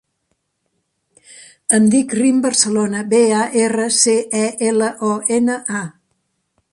Em dic Rim Barcelona: be, a, erra, ce, e, ela, o, ena, a.